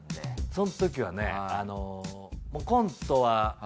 そのときはねコントは。